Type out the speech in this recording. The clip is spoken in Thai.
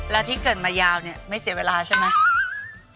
แล้วที่เกิดมายาวเนี่ยไม่เสียเวลาใช่ไหม